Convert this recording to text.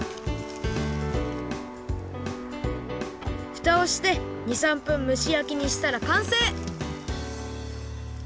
ふたをして２３分むしやきにしたらかんせい！